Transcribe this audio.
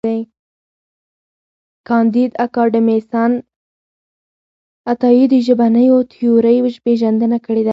کانديد اکاډميسن عطایي د ژبنیو تیورۍ پېژندنه کړې ده.